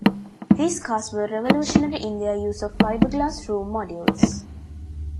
These cars were revolutionary in their use of fiberglass room modules.